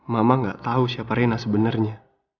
mama gak tahu siapa rena sebenarnya